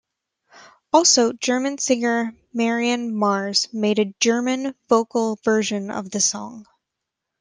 Also German singer Marion Maerz made a German vocal version of the song.